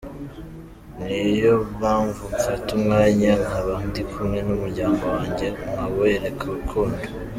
Ni yo mpamvu mfata umwanya nkaba ndi kumwe n’umuryango wanjye nkawereka urukundo.